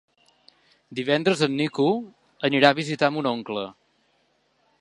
Divendres en Nico anirà a visitar mon oncle.